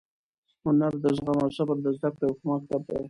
هنر د زغم او صبر د زده کړې یو ښه مکتب دی.